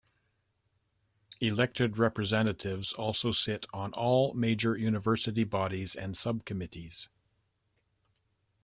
Elected representatives also sit on all major University bodies and subcommittees.